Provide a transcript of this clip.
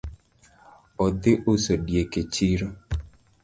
Odhi uso diek e chiro